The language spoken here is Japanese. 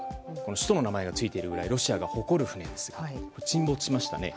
首都の名前がついているぐらいロシアが誇る船なんですが沈没しましたね。